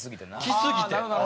きすぎて。